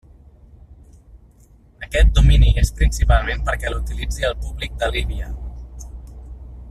Aquest domini és principalment perquè l'utilitzi el públic de Líbia.